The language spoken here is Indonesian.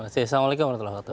assalamualaikum wr wb